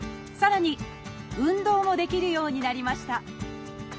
さらに運動もできるようになりました。